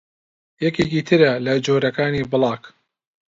یەکێکی ترە لە جۆرەکانی بڵاگ